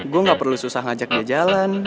gue gak perlu susah ngajak dia jalan